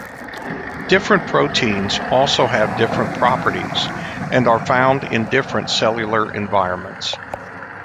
Different proteins also have different properties and are found in different cellular environments.